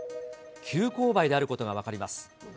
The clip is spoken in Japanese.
急こう配であることが分かります。